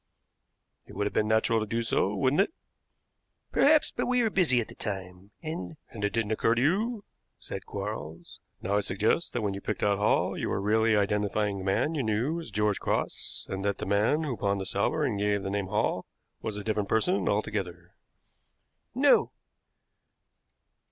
"It would have been natural to do so, wouldn't it?" "Perhaps; but we were busy at the time, and " "And it didn't occur to you," said Quarles. "Now I suggest that when you picked out Hall you were really identifying the man you knew as George Cross, and that the man who pawned the salver and gave the name Hall was a different person altogether." "No."